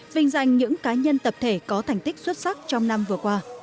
vinh danh những cá nhân tập thể có thành tích xuất sắc trong năm vừa qua